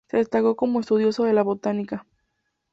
Se destacó como estudioso de la botánica.